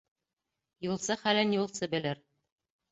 Юлсы хәлен юлсы белер.